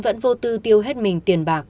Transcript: vẫn vô tư tiêu hết mình tiền bạc